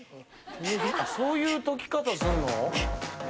そういう解き方すんの？